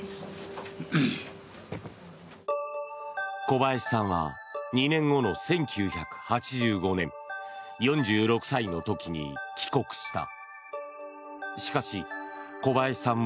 小林さんは２年後の１９８５年４６歳の時に帰国した。